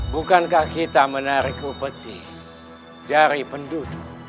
bukankah kita menarik upeti dari penduduk